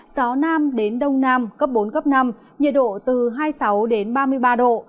gió nam đến đông nam cấp bốn năm nhiệt độ từ hai mươi sáu ba mươi ba độ